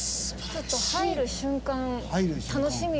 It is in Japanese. ちょっと入る瞬間楽しみですね。